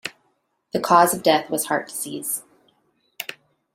The cause of death was heart disease.